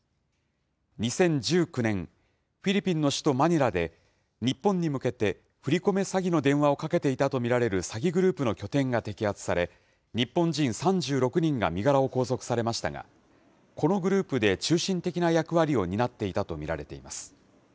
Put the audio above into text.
２０１９年、フィリピンの首都マニラで、日本に向けて振り込め詐欺の電話をかけていたと見られる詐欺グループの拠点が摘発され、日本人３６人が身柄を拘束されましたが、このグループで中心的な役割を担っていたと見られています。